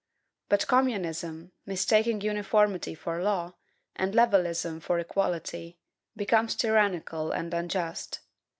But communism, mistaking uniformity for law, and levelism for equality, becomes tyrannical and unjust.